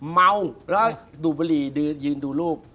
เมาแล้วดูดบุหรี่ยืนดูลูก